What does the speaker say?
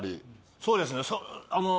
そうですね。